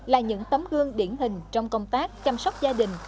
là những tấm gương điển hình trong công tác chăm sóc gia đình